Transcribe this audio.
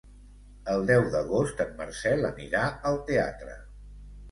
El deu d'agost en Marcel anirà al teatre.